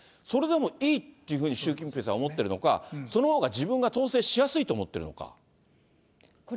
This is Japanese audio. それでもいいっていうふうに、習近平さんは思ってるのか、そのほうが自分が統制しやすいと思っているのか。